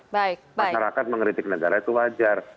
masyarakat mengkritik negara itu wajar